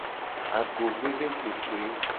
Agovevesese.